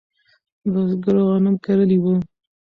بزګرو غنم کرلی و.